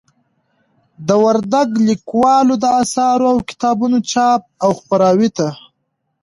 د وردگ ليكوالو د آثارو او كتابونو چاپ او خپراوي ته